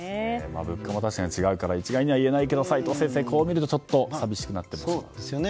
物価も確かに違うから一概には言えないけど齋藤先生、こう見るとちょっと寂しくなりますね。